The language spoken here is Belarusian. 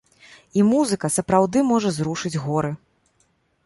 І музыка сапраўды можа зрушыць горы.